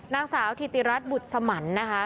นางสาวธิติรัสบุษมัณฑ์นะคะ